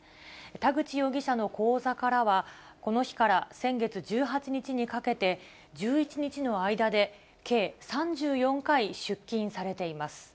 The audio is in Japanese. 田口容疑者の口座からは、この日から先月１８日にかけて、１１日の間で計３４回出金されています。